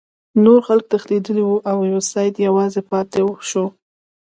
نور خلک تښتیدلي وو او سید یوازې پاتې شو.